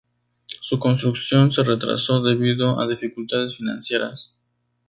Su construcción se retrasó debido a dificultades financieras.